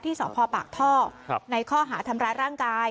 สพปากท่อในข้อหาทำร้ายร่างกาย